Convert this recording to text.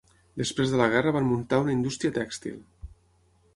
Després de la guerra van muntar una indústria tèxtil.